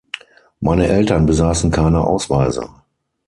Meine Eltern besaßen keine Ausweise.